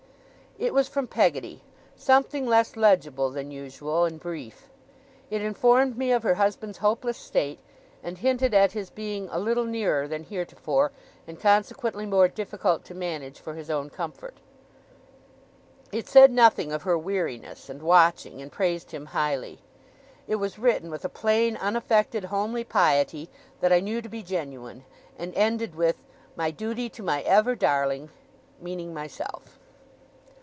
It was from Peggotty; something less legible than usual, and brief. It informed me of her husband's hopeless state, and hinted at his being 'a little nearer' than heretofore, and consequently more difficult to manage for his own comfort. It said nothing of her weariness and watching, and praised him highly. It was written with a plain, unaffected, homely piety that I knew to be genuine, and ended with 'my duty to my ever darling' meaning myself.